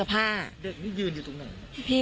ไม่มี